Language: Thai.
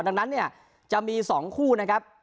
ดังนั้นเนี่ยจะมี๒คู่นะครับ